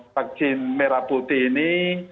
vaksin merah putih ini